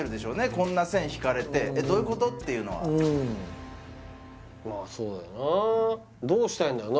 こんな線引かれてどういうことっていうのはうんまあそうだよなどうしたいんだろな